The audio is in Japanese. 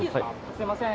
すいません